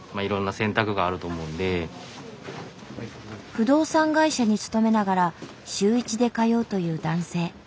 不動産会社に勤めながら週１で通うという男性。